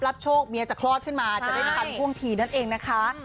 โชคเมียจะคลอดขึ้นมาจะได้ทันท่วงทีนั่นเองนะคะ